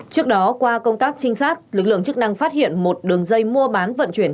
trước đó qua công tác trinh sát lực lượng chức năng phát hiện một đường dây mua bán vận chuyển